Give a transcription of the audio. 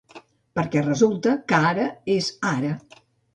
Perquè resulta que ara és ara.